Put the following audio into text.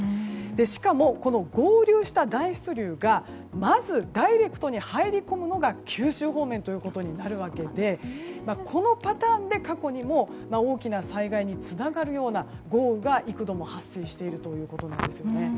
しかも、合流した暖湿流がまずダイレクトに入り込むのが九州方面となるわけでこのパターンで過去にも大きな災害につながるような豪雨が幾度も発生しているということです。